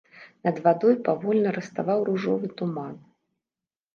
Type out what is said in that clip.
Над вадой павольна раставаў ружовы туман.